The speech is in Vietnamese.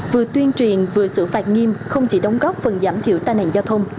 vừa tuyên truyền vừa xử phạt nghiêm không chỉ đóng góp phần giảm thiểu tai nạn giao thông